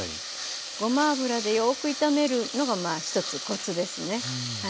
ごま油でよく炒めるのがまあ一つコツですね。